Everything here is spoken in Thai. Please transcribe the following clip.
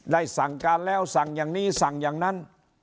สั่งการแล้วสั่งอย่างนี้สั่งอย่างนั้น